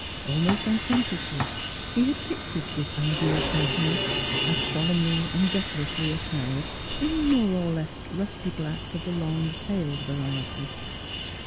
Almost unconsciously he had pictured this ideal personage as solemnly and decorously attired in more or less rusty black of the long tailed vari ety.